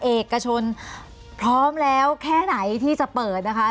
เอกชนพร้อมแล้วแค่ไหนที่จะเปิดนะคะ